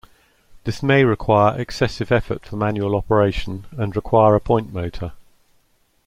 This may require excessive effort for manual operation, and require a point motor.